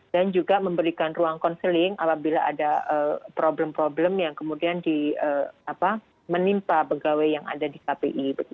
dan juga memberikan ruang konseling apabila ada problem problem yang kemudian menimpa pegawai yang ada di kpi